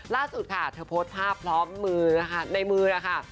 ล่าสุดค่ะเธอโพสต์ภาพพร้อมมือนะคะในมือนะคะ